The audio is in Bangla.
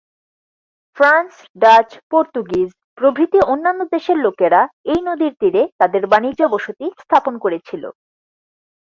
ফ্রান্স, ডাচ, পর্তুগিজ প্রভৃতি অন্যান্য দেশের লোকেরা এই নদীর তীরে তাদের বাণিজ্য বসতি স্থাপন করেছিল।